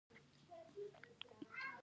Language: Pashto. د نړۍ هر هيواد کې شرنوال ځوانان شتون لري.